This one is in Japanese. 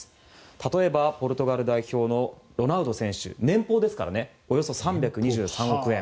例えば、ポルトガル代表のロナウド選手は年俸およそ３２３億円。